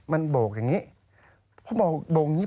มันโบกอย่างงี้